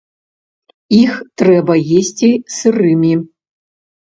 Іх трэба есці сырымі.